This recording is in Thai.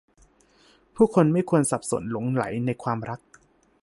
ผู้คนไม่ควรสับสนหลงใหลในความรัก